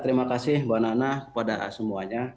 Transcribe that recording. terima kasih mbak nana kepada semuanya